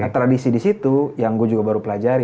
tradisi di situ yang gue juga baru pelajari